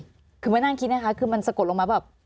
คือไม่นั่งคิดนะคะคือมันสะกดลงมาแบบ